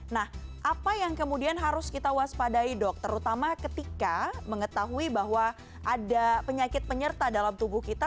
nah apa yang kemudian harus kita waspadai dok terutama ketika mengetahui bahwa ada penyakit penyerta dalam tubuh kita